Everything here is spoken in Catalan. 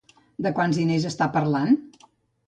De quants diners s'està parlant?